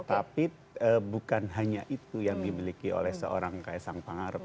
tapi bukan hanya itu yang dimiliki oleh seorang kaisang pangarep